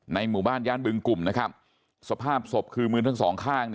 หมู่บ้านย่านบึงกลุ่มนะครับสภาพศพคือมือทั้งสองข้าง